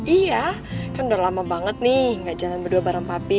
iya kan udah lama banget nih gak jalan berdua bareng papi